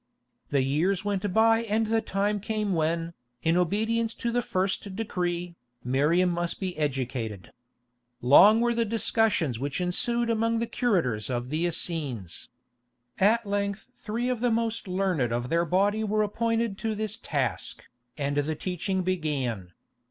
The years went by and the time came when, in obedience to the first decree, Miriam must be educated. Long were the discussions which ensued among the curators of the Essenes. At length three of the most learned of their body were appointed to this task, and the teaching began.